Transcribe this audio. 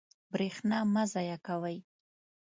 برېښنا مه ضایع کوئ.